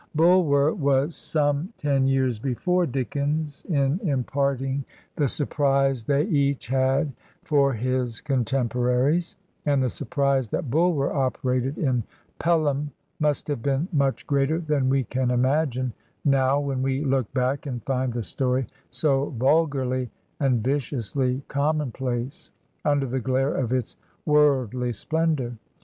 Bulwer was some ten years before Dickens in imparting the surprise they each had for his contemporaries; and the surprise that Bulwer operated in "Pelham" must have been much greater than we can imagine now when we look back and find the story so vulgarly and viciously common place imder the glare of its worldly splendor.